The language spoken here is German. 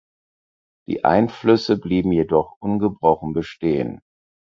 Die Einflüsse blieben jedoch ungebrochen bestehen.